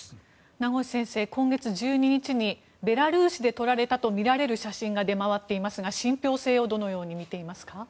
名越先生、今月１２日にベラルーシで撮られたとみられる写真が出回っていますが、信ぴょう性をどのように見ていますか？